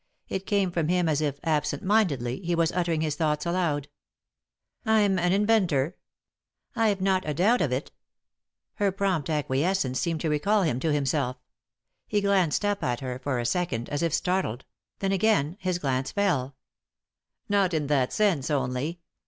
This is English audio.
It came from him as if, absent mindedly, he was uttering his thoughts aloud. "I'm an inventor." " I've not a doubt of it." Her prompt acquiescence seemed to recall him to 62 3i 9 iii^d by Google THE INTERRUPTED KISS himself. He glanced up at her, for a second, as if startled ; then again his glance fell, "Not in that sense only."